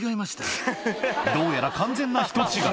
どうやら完全な人違い。